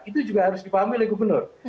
itu juga harus dipahami oleh gubernur